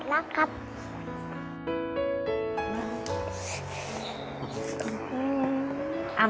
รักครับ